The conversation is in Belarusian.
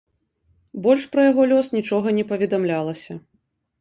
Больш пра яго лёс нічога не паведамлялася.